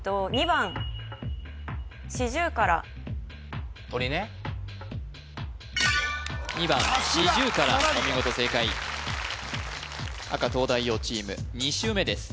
２番しじゅうからお見事正解赤東大王チーム２周目です